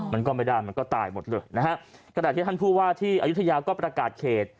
มันก็ไม่ได้มันก็ตายหมดเลยนะฮะกระดาษที่ท่านผู้ว่าที่อายุทยาก็ประกาศเขต